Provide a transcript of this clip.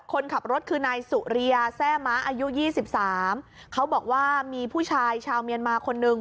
คนขับรถคือนายสุริยาแซ่ม้าอายุยี่สิบสามเขาบอกว่ามีผู้ชายชาวเมียนมาคนนึง